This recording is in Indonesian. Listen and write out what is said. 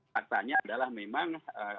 tentunya adalah memang